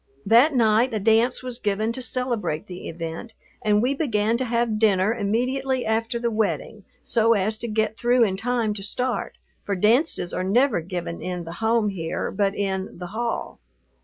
That night a dance was given to celebrate the event and we began to have dinner immediately after the wedding so as to get through in time to start, for dances are never given in the home here, but in "the hall."